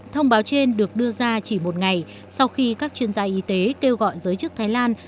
thông báo trên được đưa ra chỉ một ngày sau khi các chuyên gia y tế kêu gọi giới chức thái lan